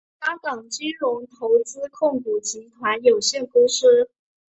香港金融投资控股集团有限公司。